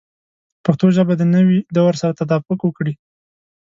پښتو ژبه د نوي دور سره تطابق وکړي.